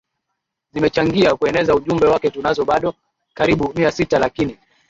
zimechangia kueneza ujumbe wake Tunazo bado karibu Mia sita lakini